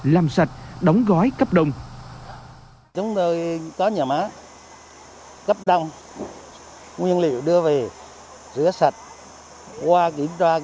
làm sạch đóng gói cấp đồng